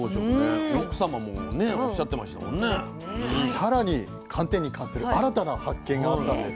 さらに寒天に関する新たな発見があったんです。